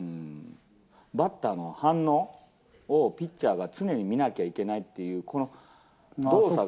バッターの反応をピッチャーが常に見なきゃいけないっていう、この動作が。